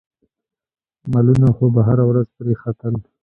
مالونه خو به هره ورځ پرې ختل.